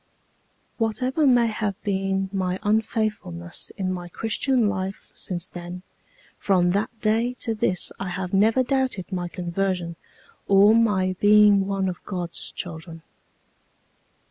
"Whatever may have been my unfaithfulness in my Christian life since then, from that day to this I have never doubted my conversion or my being one of God's children.